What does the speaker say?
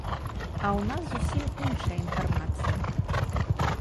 А ў нас зусім іншая інфармацыя.